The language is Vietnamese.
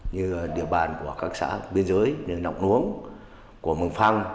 như địa bàn của các xã biên giới nọc nuống của mường phăng